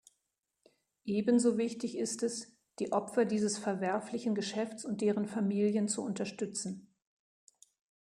Ebenso wichtig ist es, die Opfer dieses verwerflichen Geschäfts und deren Familien zu unterstützen.